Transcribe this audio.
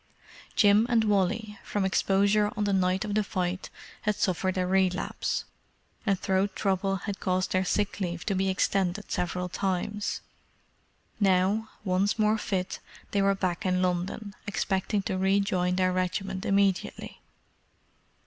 Jim and Wally, from exposure on the night of the fight, had suffered a relapse, and throat trouble had caused their sick leave to be extended several times. Now, once more fit, they were back in London, expecting to rejoin their regiment immediately.